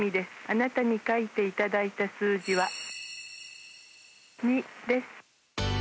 あなたに書いていただいた数字は２です。